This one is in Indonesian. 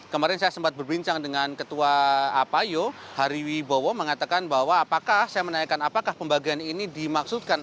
kemarin saya sempat berbincang dengan ketua apayo hariwi bowo mengatakan bahwa apakah saya menanyakan apakah pembagian ini dimaksudkan